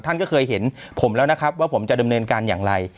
ท่านก็เคยเห็นผมแล้วนะครับว่าผมจะดำเนินการอย่างไร